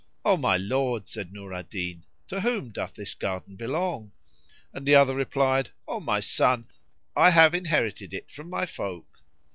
"O my lord," said Nur al Din, "to whom doth this garden belong?;" and the other replied, "O my son, I have inherited it from my folk."